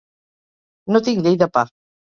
No tinc llei de pa.